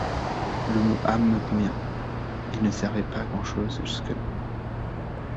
Le mot âme me convient, il ne servait pas à grand-chose jusque-là.